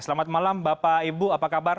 selamat malam bapak ibu apa kabar